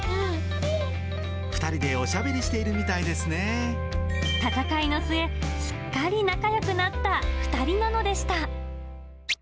２人でおしゃべりしているみ戦いの末、すっかり仲よくなった２人なのでした。